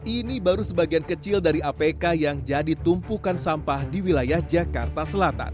ini baru sebagian kecil dari apk yang jadi tumpukan sampah di wilayah jakarta selatan